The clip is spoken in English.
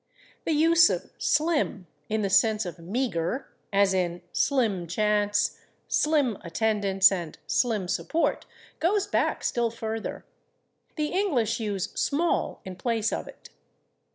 The use of /slim/ in the sense of meagre, as in /slim chance/, /slim attendance/ and /slim support/, goes back still further. The English use /small/ in place of it.